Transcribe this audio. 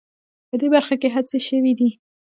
په دې برخه کې هڅې شوې دي